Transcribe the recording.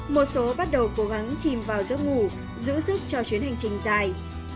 một số bắt đầu cố gắng chìm vào giấc ngủ giữ sức cho chuyến hành trình dài